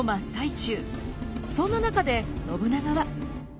そんな中で信長は。